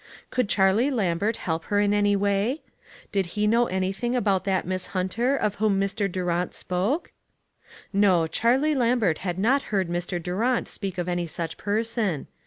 Could Charlie Lambert help her in any way? Did he know anything about that Miss Hunter of whom Mr. Durant spoke? No ; Charlie Lambert had not heard Mr. Durant speak of any such person.